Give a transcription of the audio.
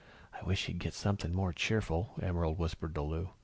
"I wish he'd get something more cheerful," Emerald whispered to Lou.